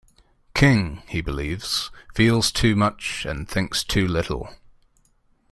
King, he believes, "feels too much and thinks too little".